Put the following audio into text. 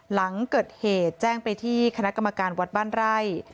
หลังเกิดเหตุแจ้งไปที่คณะกรรมการวัดบ้านไร่